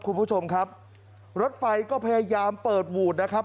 คุณผู้ชมครับรถไฟก็พยายามเปิดหวูดนะครับ